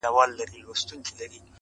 • د تور مار له لاسه ډېر دي په ماتم کي -